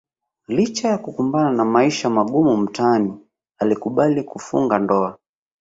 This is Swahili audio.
Licha ya kukumbana na maisha magumu mtaani alikubali kufunga ndoa